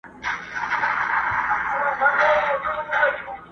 مېلمانه د دوکاندار پر دسترخوان وه.!